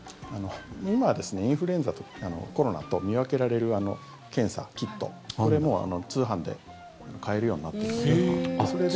今、インフルエンザとコロナと見分けられる検査キットもう通販で買えるようになってるので。